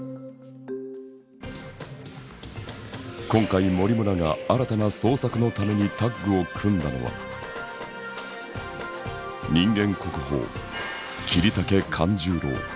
今回森村が新たな創作のためにタッグを組んだのは人間国宝桐竹勘十郎。